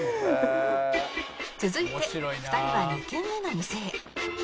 続いて２人は２軒目の店へ